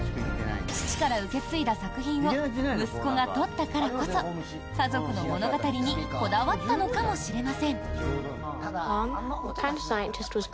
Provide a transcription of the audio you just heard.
父から受け継いだ作品を息子が撮ったからこそ家族の物語にこだわったのかもしれません。